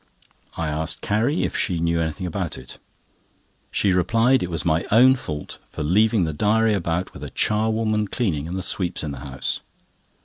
I asked Carrie if she knew anything about it. She replied it was my own fault for leaving the diary about with a charwoman cleaning and the sweeps in the house.